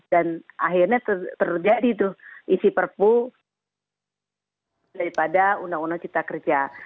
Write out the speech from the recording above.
dan akhirnya terjadi tuh isi prp daripada undang undang cipta kerja